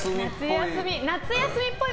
夏休みっぽい。